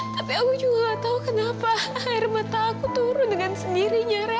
tapi aku juga gak tahu kenapa air mata aku turun dengan sendirinya